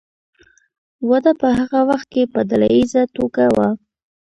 واده په هغه وخت کې په ډله ایزه توګه و.